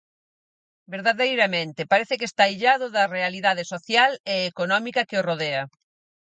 Verdadeiramente, parece que está illado da realidade social e económica que o rodea.